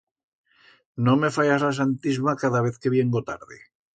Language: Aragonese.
No me fayas la santisma cada vez que viengo tarde.